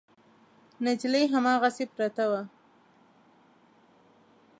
نجلۍ هماغسې پرته وه.